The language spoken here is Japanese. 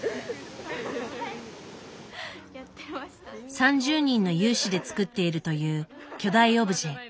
３０人の有志で作っているという巨大オブジェ。